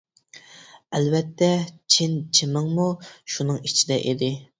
ئەلۋەتتە، چىن چىمىڭمۇ شۇنىڭ ئىچىدە ئىدى.